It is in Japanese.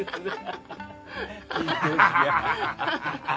・ハハハハ。